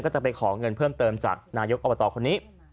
ก็จะไปขอเงินเพิ่มเติมจากนายกอบตคนนี้